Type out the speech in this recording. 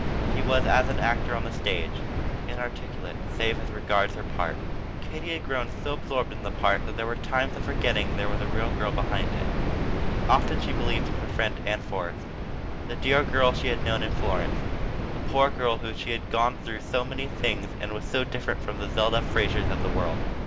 She was as an actor on the stage, inarticulate save as regards her part. Katie had grown so absorbed in that part that there were times of forgetting there was a real girl behind it. Often she believed in her friend Ann Forrest, the dear girl she had known in Florence, the poor child who had gone through so many hard things and was so different from the Zelda Frasers of the world.